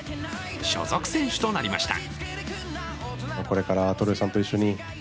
所属選手となりました。